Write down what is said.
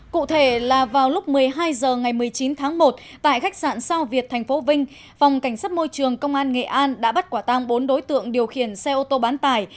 cụ thể là vào lúc một mươi hai h ngày một mươi chín tháng một tại khách sạn sao việt tp vinh phòng cảnh sát môi trường công an nghệ an đã bắt quả tăng bốn đối tượng điều khiển xe ô tô bán tải